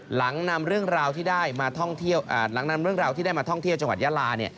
หลังนำเรื่องราวที่ได้มาท่องเที่ยวจังหวัดยาลา